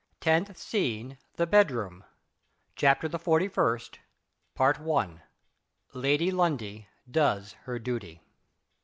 TENTH SCENE THE BEDROOM. CHAPTER THE FORTY FIRST. LADY LUNDIE DOES HER DUTY.